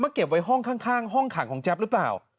เก็บไว้ห้องข้างห้องขังของแจ๊บหรือเปล่า